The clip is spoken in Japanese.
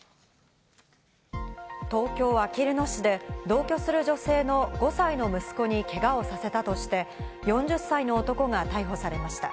東京・あきる野市で同居する女性の５歳の息子にけがをさせたとして、４０歳の男が逮捕されました。